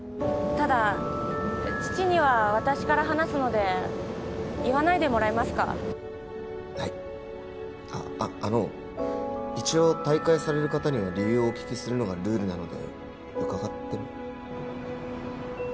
ただ父には私から話すので言わないでもらえますかはいあっあの一応退会される方には理由をお聞きするのがルールなので伺っても？